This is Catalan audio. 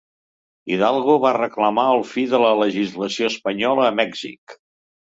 Hidalgo va reclamar el fi de la legislació espanyola a Mèxic.